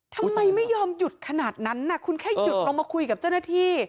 ทำไมไม่ยอมหยุดขนาดนั้นคุณแค่หยุดลงมาคุยกับเจ้าหน้าที่